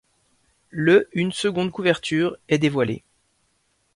Le une seconde couverture est dévoilée.